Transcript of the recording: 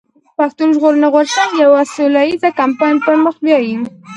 پښتون ژغورني غورځنګ يو سوله ايز کمپاين پر مخ بيايي.